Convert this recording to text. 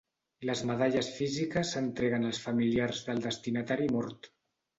Les medalles físiques s'entreguen als familiars del destinatari mort.